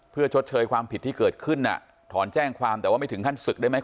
เพื่อชดเชยความผิดที่เกิดขึ้นถอนแจ้งความแต่ว่าไม่ถึงขั้นศึกได้ไหม